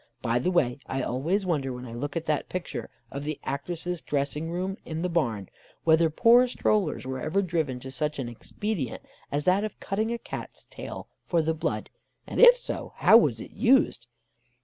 By the way, I always wonder when I look at that picture of the "Actress's Dressing Room" in the barn, whether poor strollers were ever driven to such an expedient as that of cutting a Cat's tail for the blood, and if so, how was it used?